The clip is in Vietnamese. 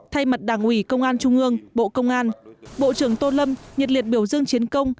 thay mặt đảng ủy công an trung ương bộ công an bộ trưởng tô lâm nhiệt liệt biểu dương chiến công